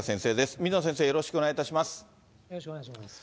水野先生、よろしくお願いします。